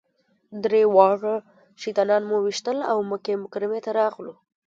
درې واړه شیطانان مو وويشتل او مکې مکرمې ته راغلو.